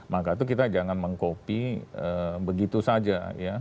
maka itu kita jangan mengkopi begitu saja ya